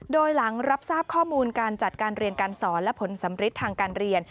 โดยหลังรับทราบข้อมูลการจัดการเรียนการสอนและผลสำริดทางการเรียน